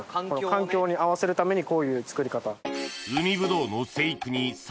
環境に合わせるためにこういうつくり方。